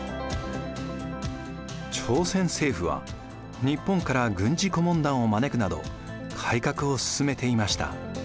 朝鮮政府は日本から軍事顧問団を招くなど改革を進めていました。